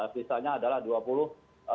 sisanya adalah dua puluh persen